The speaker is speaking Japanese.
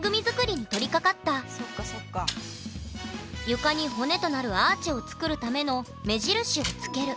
床に骨となるアーチを作るための目印を付ける。